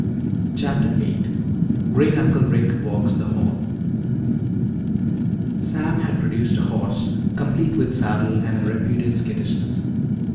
CHAPTER VIII GREAT UNCLE RICK WALKS THE HALL Sam had produced a horse complete with saddle and a reputed skittishness.